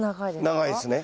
長いですね。